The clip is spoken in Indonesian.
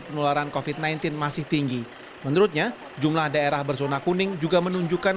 penularan kofit sembilan belas masih tinggi menurutnya jumlah daerah berzona kuning juga menunjukkan